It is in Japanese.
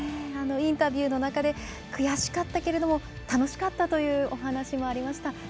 インタビューの中で悔しかったけれども楽しかったというお話もありました。